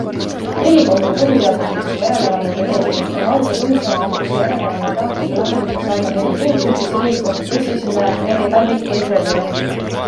Riigikohtu põhiseaduslikkuse järelevalve kolleegiumil on valdade põhiseaduslikkuse järelevalve taotluste lahendamiseks aega neli kuud, ütles riigikohtu pressiesindaja Merje Talvik ERR-ile.